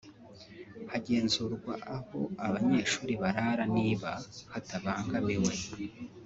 hagenzurwa aho abanyeshuri barara niba hatabangamiwe